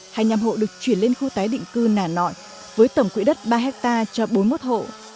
hai mươi năm hộ được chuyển lên khu tái định cư nà nội với tổng quỹ đất ba hectare cho bốn mươi một hộ